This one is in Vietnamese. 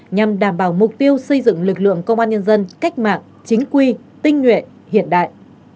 nhằm đảm bảo mục tiêu xây dựng lực lượng công an nhân dân cách mạng chính quy tinh nguyện hiện đại